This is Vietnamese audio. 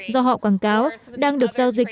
do họ quảng cáo đang được giao dịch